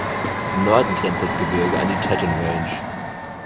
Im Norden grenzt das Gebirge an die Teton Range.